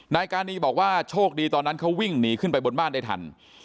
นายกานีบอกว่าโชคดีตอนนั้นเขาวิ่งหนีขึ้นไปบนบ้านได้ทัน